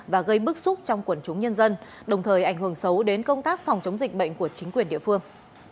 và gây bức xúc trong quần chúng nhân dân đồng thời ảnh hưởng xấu đến công tác phòng chống dịch bệnh của chính quyền địa phương